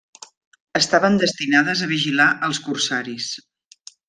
Estaven destinades a vigilar els corsaris.